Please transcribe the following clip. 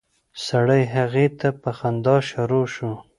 سړی هغې ته په خندا شروع شو.